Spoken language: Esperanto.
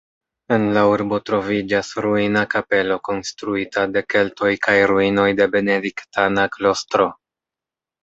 En la urbo troviĝas ruina kapelo konstruita de keltoj kaj ruinoj de benediktana klostro.